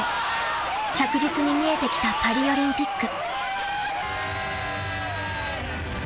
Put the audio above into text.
［着実に見えてきたパリオリンピック］